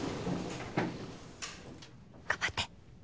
頑張って。